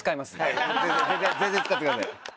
全然使ってください。